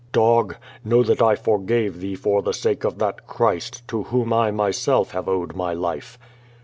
^' "Dog! Know that I forgave thee for the sake of that Christ, to whom I myself have owed my life.